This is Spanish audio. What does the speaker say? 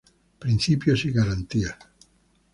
Principios y Garantías.